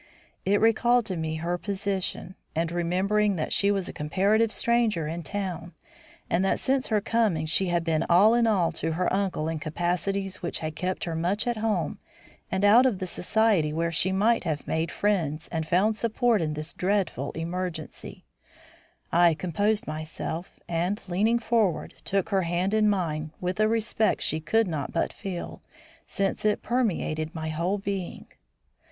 It recalled to me her position; and remembering that she was a comparative stranger in town, and that since her coming she had been all in all to her uncle in capacities which had kept her much at home and out of the society where she might have made friends and found support in this dreadful emergency, I composed myself, and, leaning forward, took her hand in mine with a respect she could not but feel, since it permeated my whole being.